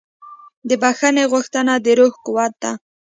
د بښنې غوښتنه د روح قوت ده.